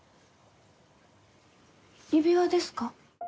指輪ですか？